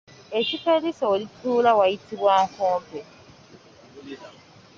Ekifo eriiso we lituula wayitibwa nkompe.